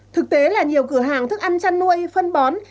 thực tế là nhiều cửa hàng thức ăn chăn nuôi phân bó